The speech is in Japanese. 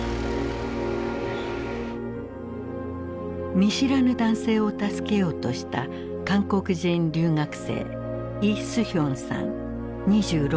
見知らぬ男性を助けようとした韓国人留学生イ・スヒョンさん２６歳。